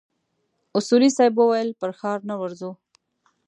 اصولي صیب وويل پر ښار نه ورځو.